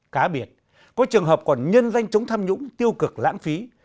cá biệt có trường hợp còn nhân danh chống tham nhũng tiêu cực lãng phí